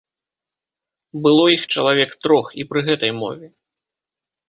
Было іх чалавек трох і пры гэтай мове.